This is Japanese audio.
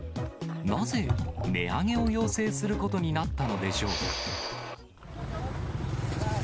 なぜ、値上げを要請することになったのでしょうか。